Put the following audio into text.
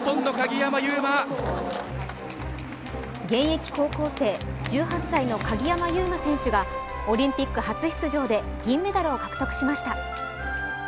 現役高校生、１８歳の鍵山優真選手がオリンピック初出場で銀メダルを獲得しました。